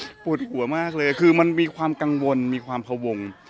ปวดหัวมากเลยคือมันมีความกังวลมีความพวง